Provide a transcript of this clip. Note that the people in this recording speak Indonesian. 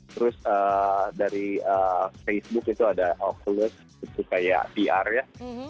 terus dari facebook itu ada oculus itu kayak vr ya